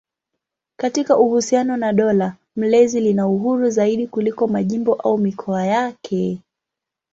Katika uhusiano na dola mlezi lina uhuru zaidi kuliko majimbo au mikoa yake.